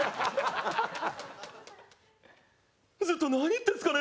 ずっと何言ってんですかね？